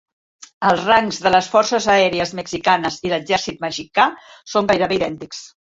Els rangs de les Forces Aèries Mexicanes i l'Exèrcit Mexicà són gairebé idèntics.